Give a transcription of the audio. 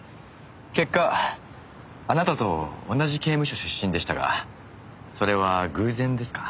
結果あなたと同じ刑務所出身でしたがそれは偶然ですか？